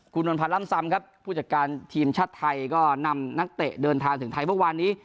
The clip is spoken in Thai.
คุณนวลพันธ์ล่ำซำครับผู้จัดการทีมชาติไทยก็นำนักเตะเดินทางถึงไทยเมื่อวานนี้